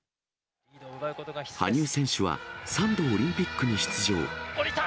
羽生選手は３度オリンピック下りた。